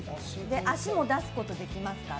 足も出すことできますから。